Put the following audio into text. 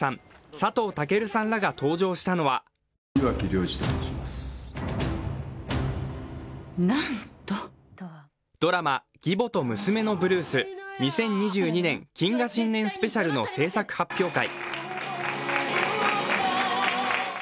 佐藤健さんらが登場したのはドラマ「義母と娘のブルース２０２２年謹賀新年スペシャル」の制作発表会。